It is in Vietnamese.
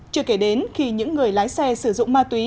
chưa kể đến khi những người lái xe sử dụng ma túy